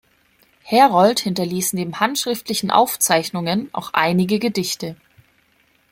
Herold hinterließ neben handschriftlichen Aufzeichnungen, auch einige Gedichte.